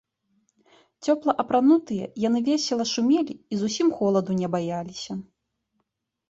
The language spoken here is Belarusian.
Цёпла апранутыя, яны весела шумелі і зусім холаду не баяліся.